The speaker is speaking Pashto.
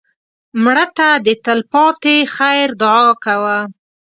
مړه ته د تل پاتې خیر دعا کوه